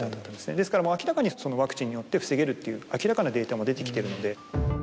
ですからもう明らかにワクチンによって防げるという明らかなデータも出てきてるので。